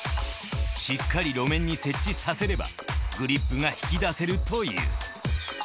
しっかり路面に接地させればグリップが引き出せるという。